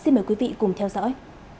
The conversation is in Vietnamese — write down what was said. xin mời quý vị cùng theo dõi